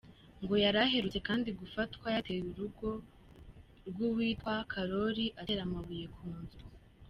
Ngo yari aherutse kandi gufatwa yateye urugo rw’uwitwa Karori atera amabuye ku nzu.